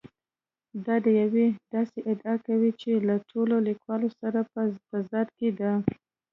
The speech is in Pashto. دا یوه داسې ادعا ده چې له ټولو لیکونو سره په تضاد کې ده.